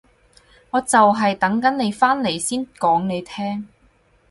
我就係等緊你返嚟先講你聽